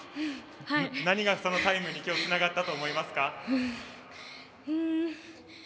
何がそのタイムにつながったと思いますか？